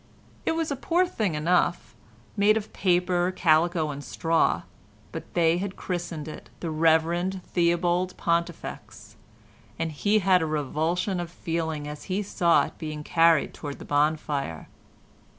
It was a poor thing enough, made of paper, calico and straw, but they had christened it The Rev. Theobald Pontifex, and he had a revulsion of feeling as he saw it being carried towards the bonfire.